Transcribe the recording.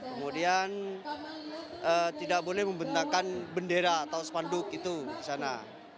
kemudian tidak boleh membenakan bendera atau spanduk itu di sana